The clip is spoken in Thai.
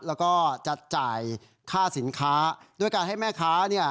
แล้วก็จะจ่ายค่าสินค้าด้วยการให้แม่ค้าเนี่ย